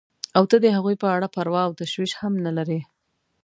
او ته د هغوی په اړه پروا او تشویش هم نه لرې.